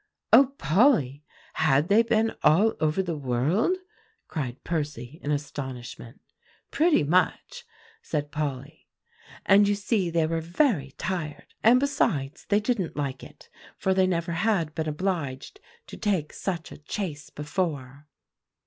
"O Polly! had they been all over the world?" cried Percy in astonishment. "Pretty much," said Polly; "and you see they were very tired; and besides they didn't like it, for they never had been obliged to take such a chase before."